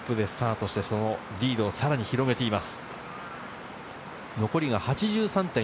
トップでスタートしてリードをさらに広げています。